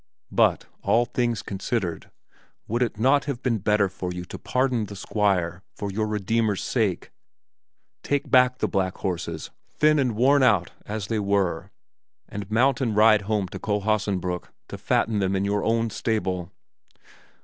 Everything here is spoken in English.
But, all things considered, would it not have been better for you to pardon the Squire for your Redeemer's sake, take back the black horses, thin and worn out as they were, and mount and ride home to Kohlhaasenbrück to fatten them in your own stable?"